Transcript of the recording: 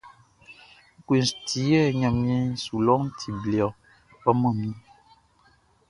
Ngue ti yɛ ɲanmiɛn su lɔʼn ti ble ɔ, manmi?